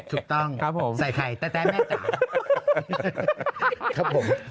ถูกต้องใส่ไข่แต่แต่แม่จ๋า